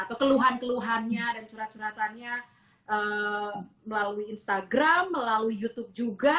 atau keluhan keluhannya dan curhat curhatannya melalui instagram melalui youtube juga